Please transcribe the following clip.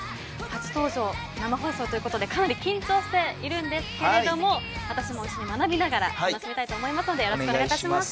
初登場、生放送ということでかなり緊張しているんですけれど私も一緒に学びながら楽しみたいと思いますのでよろしくお願いします。